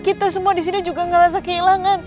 kita semua disini juga gak rasa kehilangan